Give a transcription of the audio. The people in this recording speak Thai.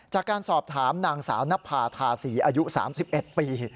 จากการสอบถามนางสาวนภาธาศรีอายุ๓๑ปี